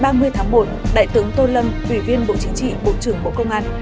ngày ba mươi tháng một đại tướng tô lâm ủy viên bộ chính trị bộ trưởng bộ công an